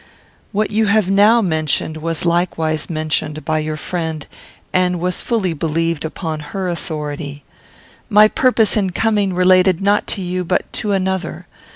What you have now mentioned was likewise mentioned by your friend, and was fully believed upon her authority. My purpose, in coming, related not to you, but to another.